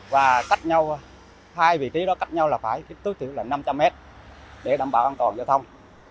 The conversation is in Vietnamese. và cách nhau hai vị trí đó cách nhau là phải tối thiểu là năm trăm linh m để đảm bảo an toàn giao thông